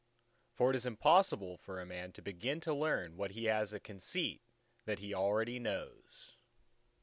For it is impossible for a man to begin to learn what he has a conceit that he already knows.